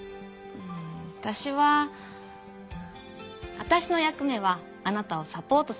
うんわたしはわたしの役目はあなたをサポートすることだから。